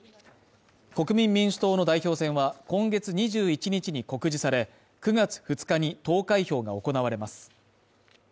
国民民主党の代表選は今月２１日に告示され９月２日に投開票が行われます